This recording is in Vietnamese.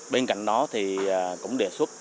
bên cạnh đó thì cũng đề xuất